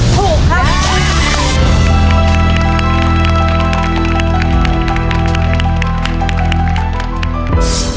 ถูกครับ